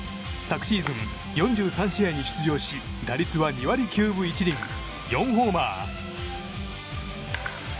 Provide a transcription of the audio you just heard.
昨シーズン、４３試合に出場し打率は２割９分１厘４ホーマー。